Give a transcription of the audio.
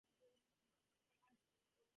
There was no noise anywhere.